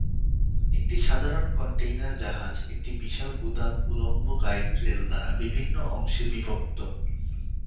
একটি সাধারণ কন্টেইনার জাহাজ একটি বিশাল গুদাম উল্লম্ব গাইড রেল দ্বারা বিভিন্ন অংশে বিভক্ত।